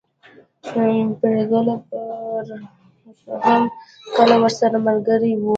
پريګله به هم کله ورسره ملګرې وه